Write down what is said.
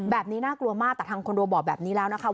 แบบนี้น่ากลัวมากแต่ทางควรโดบอบแบบนี้แล้วนะคะ